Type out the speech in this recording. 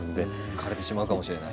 枯れてしまうかもしれない。